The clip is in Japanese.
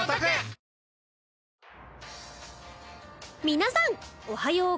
皆さんおはよう。